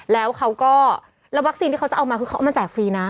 แล้วเขาก็แล้ววัคซีนที่เขาจะเอามาคือเขาเอามาแจกฟรีนะ